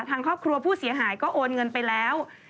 ทางครอบครัวผู้เสียหายก็โอนเงินไปแล้ว